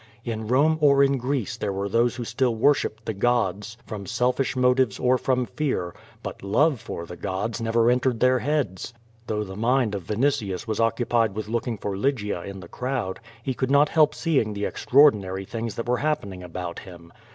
In Bome or in Greece there were those who still worshipped the gods from selfish motives or from fear; but love for the gods never entered their heads. Though the mind of Vinitius was oc cupied with looking for Lygia in the crowd, he could not help seeing the extraordinary things that were happening about liim.